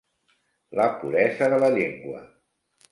La puresa de la llengua.